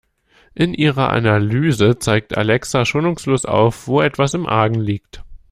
In ihrer Analyse zeigt Alexa schonungslos auf, wo etwas im Argen liegt.